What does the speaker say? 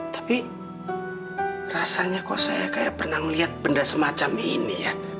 tapi rasanya kok saya kayak pernah melihat benda semacam ini ya